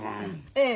ええ。